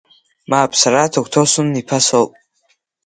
Мап, сара Ҭоқҭосун иԥа соуп!